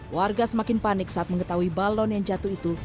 warga semakin panik saat mengetahui balon yang jatuh itu